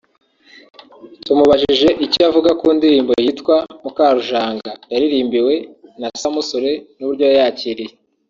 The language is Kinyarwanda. tumubajije icyo avuga ku ndirimbo yitwa ‘Mukarujanga’ yaririmbiwe na Samusure n’uburyo yayakiriye